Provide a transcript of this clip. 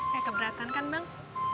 ya keberatan kan bang